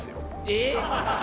えっ！